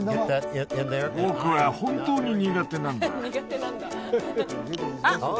僕は本当に苦手なんだあっ